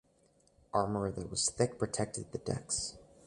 Armor that was thick protected the decks.